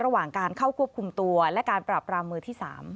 ระหว่างการเข้าควบคุมตัวและการปรับรามมือที่๓